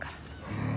うん。